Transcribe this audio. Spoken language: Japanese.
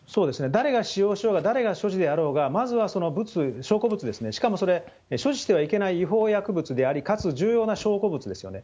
誰が使用しようが、誰が所持であろうが、まずはブツ、証拠物ですね、しかもそれ、所持してはいけない違法薬物であり、かつ重要な証拠物ですよね。